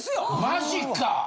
マジか！